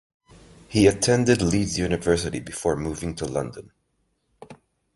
He attended Leeds University before moving to London.